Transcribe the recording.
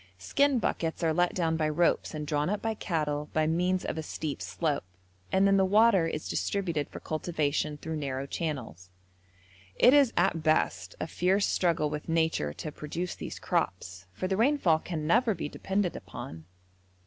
Skin buckets are let down by ropes and drawn up by cattle by means of a steep slope, and then the water is distributed for cultivation through narrow channels; it is at best a fierce struggle with nature to produce these crops, for the rainfall can never be depended upon.